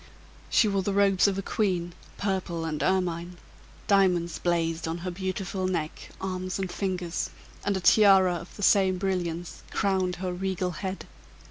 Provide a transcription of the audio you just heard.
She wore the robes of a queen, purple and ermine diamonds blazed on the beautiful neck, arms, and fingers, and a tiara of the same brilliants crowned her regal head.